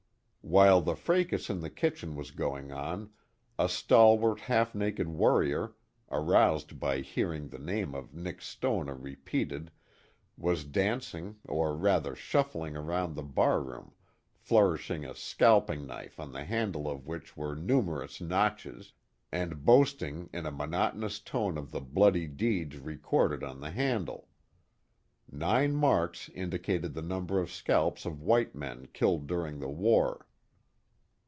While the fracas in the kitchen was going on. a stalwart half naked warrior, aroused by hearing the name of Nick Stoner re peated, was dancing or rather shuffling around the barroom flourish ing a scalping knifeon the handle of which were numerous notches, and boasting in a monotonous tone of the bloody deeds recorded on the handle. Nine marks indicated the number of scalps of white men killed during the war.